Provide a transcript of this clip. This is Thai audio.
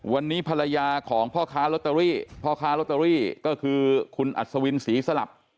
วันนี้ภรรยาของพ่อค้าลอตเตอรี่พ่อค้าลอตเตอรี่ก็คือคุณอัศวินศรีสลับ